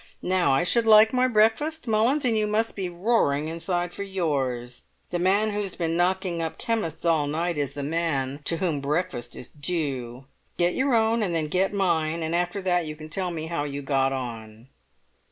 Now I should like my breakfast, Mullins, and you must be roaring inside for yours. The man who's been knocking up chemists all night is the man to whom breakfast is due; get your own and then mine, and after that you can tell me how you got on."